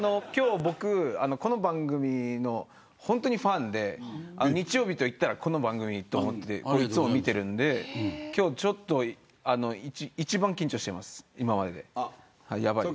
僕、この番組のファンで日曜日といったらこの番組と思っていつも見てるんで今日ちょっと一番緊張しています、今までで。